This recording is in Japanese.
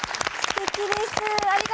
すてきです！